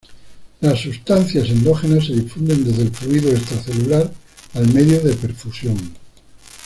Las sustancias endógenas se difunden desde el fluido extracelular al medio de perfusión.